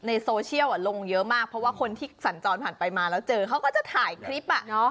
ในโซเชียลลงเยอะมากเพราะว่าคนที่สัญจรผ่านไปมาแล้วเจอเขาก็จะถ่ายคลิป